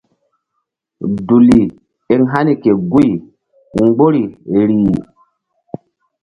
Duli eŋ hani ke guy mgbori rih.